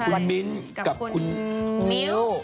คุณมิ้นกับคุณมิ้ว